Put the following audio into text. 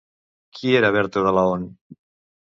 Qui era Berta de Laon?